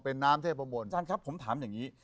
เป็นน้ำเทพบนท่านครับผมถามอย่างนี้